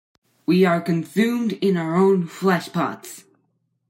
We are consumed in our own flesh-pots.